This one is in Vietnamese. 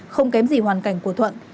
không kém gì hoàn cảnh của thuận